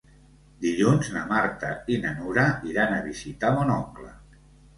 Dilluns na Marta i na Nura iran a visitar mon oncle.